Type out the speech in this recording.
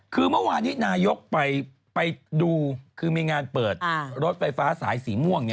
คือเมื่อวานนี้นายกไปดูคือมีงานเปิดรถไฟฟ้าสายสีม่วง